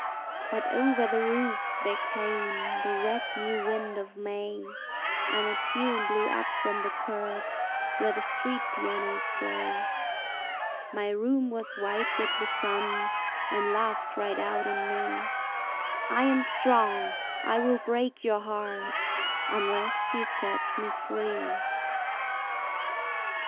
But over the roofs there came The wet new wind of May, And a tune blew up from the curb Where the street pianos play. My room was white with the sun And Love cried out in me, "I am strong, I will break your heart Unless you set me free."